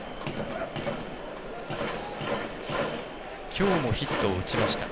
きょうもヒットを打ちました。